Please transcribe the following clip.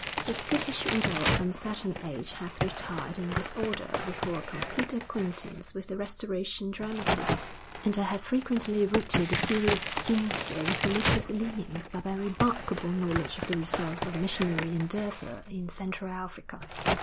'The skittish widow of uncertain age has retired in disorder before a complete acquaintance with the Restoration dramatists, and I have frequently routed the serious spinster with religious leanings by my remarkable knowledge of the results of missionary endeavour in Central Africa.